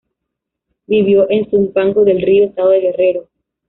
Vivió en Zumpango del Río, Estado de Guerrero.